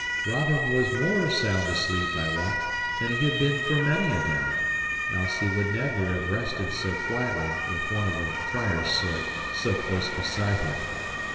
Robin was more sound asleep, I wot, than he had been for many a day, else he would never have rested so quietly with one of the friar's sort so close beside him.